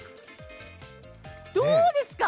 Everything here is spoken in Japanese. どうですか！